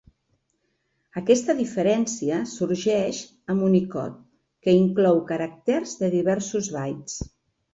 Aquesta diferència sorgeix amb Unicode, que inclou caràcters de diversos bytes.